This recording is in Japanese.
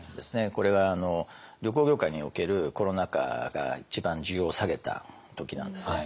これは旅行業界におけるコロナ禍が一番需要を下げた時なんですね。